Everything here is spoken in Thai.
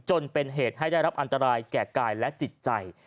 จนเป็นเหตุให้ได้รับอันตรายแก่กายและจิตใจ